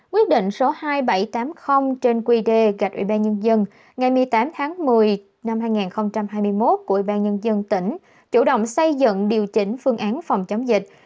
quyết định số hai nghìn bảy trăm tám mươi trên quy đề gạch ủy ban nhân dân ngày một mươi tám tháng một mươi năm hai nghìn hai mươi một của ủy ban nhân dân tỉnh chủ động xây dựng điều chỉnh phương án phòng chống dịch